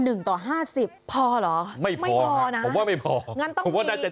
หนึ่งต่อห้าสิบพอหรอไม่พอนะผมว่าไม่พอ